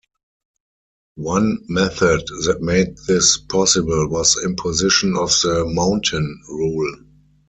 One method that made this possible was imposition of the Mountain Rule.